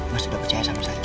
mas sudah percaya sama saya